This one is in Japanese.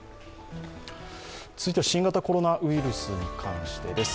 続いては新型コロナウイルスに関してです。